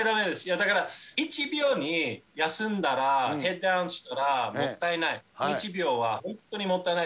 だから、１秒に休んだら、ヘッドダウンしたら、もったいない。